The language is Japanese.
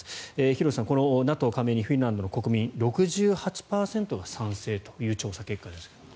廣瀬さん、このＮＡＴＯ加盟にフィンランドの国民６８％が賛成という調査結果ですが。